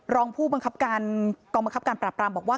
รองผู้ประคับการปรับรามบอกว่า